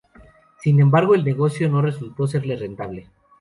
Sin embargo, el negocio no resultó serle rentable.